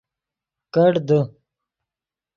کیڑ دے